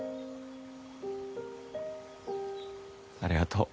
ありがとう。